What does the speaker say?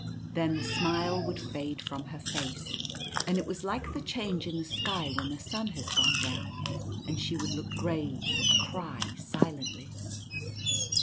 Then the smile would fade from her face ; and it was like the change in the sky when the sun has gone down, and she would look grave, and cry silently.